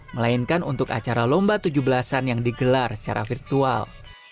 melainkan untuk acara lomba tujuh belas an yang digelar secara virtual